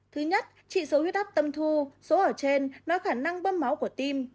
thứ nhất chỉ số huyết áp tâm thu số ở trên nó khả năng bơm máu của tim